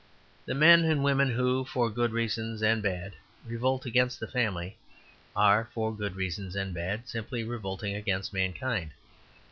The men and women who, for good reasons and bad, revolt against the family, are, for good reasons and bad, simply revolting against mankind.